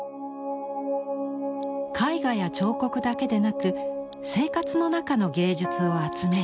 絵画や彫刻だけでなく「生活の中の芸術を集める」。